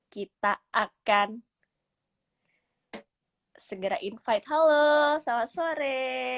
kita akan segera invite halo selamat sore